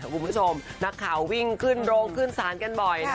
คุณผู้ชมนักข่าววิ่งขึ้นโรงขึ้นศาลกันบ่อย